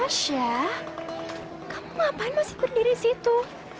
tasya kamu ngapain masih berdiri situ